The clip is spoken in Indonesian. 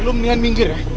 lu mendingan minggir ya